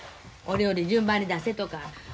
お料理順番に出せとか。